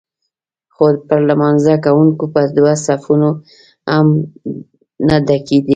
خو پر لمانځه کوونکو به دوه صفونه هم نه ډکېدل.